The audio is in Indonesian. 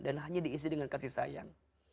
dan hanya diisi dengan kasih sayang